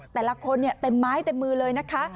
แต่ละคนเต็มไม้เต็มมือเลยนะคะ